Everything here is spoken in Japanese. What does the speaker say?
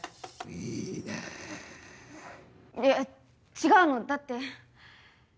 いいねいや違うのだって。